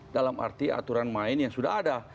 dalam arti aturan main yang sudah ada